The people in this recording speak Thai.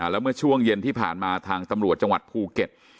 แล้วเมื่อช่วงเย็นที่ผ่านมาทางตำรวจจังหวัดภูเก็ต